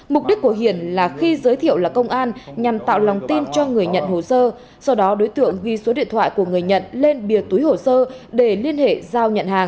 mục đích của hiển là khi giới thiệu là công an nhằm tạo lòng tin cho người nhận hồ sơ sau đó đối tượng ghi số điện thoại của người nhận lên bìa túi hồ sơ để liên hệ giao nhận hàng